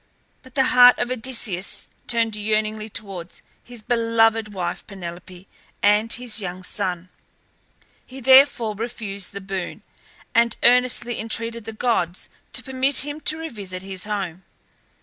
But the heart of Odysseus turned yearningly towards his beloved wife Penelope and his young son. He therefore refused the boon, and earnestly entreated the gods to permit him to revisit his home.